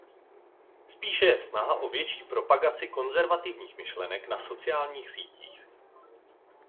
Spíše je snaha o větší propagaci konzervativních myšlenek na sociálních sítích.